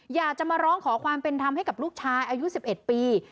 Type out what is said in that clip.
อยากจะมาร้องขอความเป็นธรรมให้กับลูกชายอายุ๑๑ปี